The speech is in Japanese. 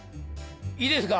いいですか？